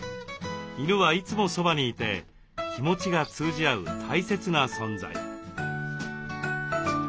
犬はいつもそばにいて気持ちが通じ合う大切な存在。